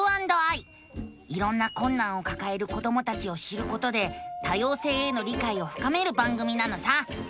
いろんなこんなんをかかえる子どもたちを知ることで多様性への理解をふかめる番組なのさ！